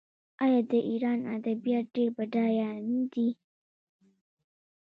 آیا د ایران ادبیات ډیر بډایه نه دي؟